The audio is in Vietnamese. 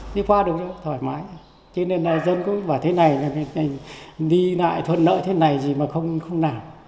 đi qua được thoải mái cho nên dân cũng bảo thế này đi lại thuận nợ thế này mà không nào